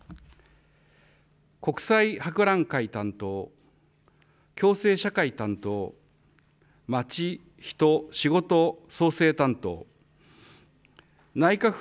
国際博覧会担当、共生社会担当、まちひとしごと創生担当、内閣府